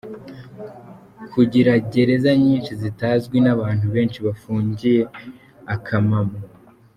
– Kugira gereza nyinshi zitazwi n’abantu benshi bafungiye akamamo;